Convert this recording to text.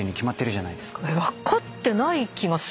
分かってない気がするんですよ